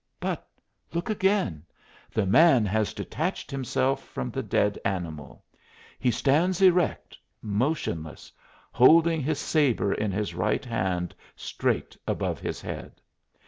But look again the man has detached himself from the dead animal. He stands erect, motionless, holding his sabre in his right hand straight above his head.